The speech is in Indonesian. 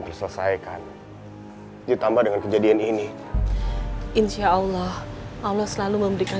diselesaikan ditambah dengan kejadian ini insyaallah allah selalu memberikan